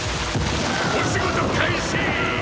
お仕事開始！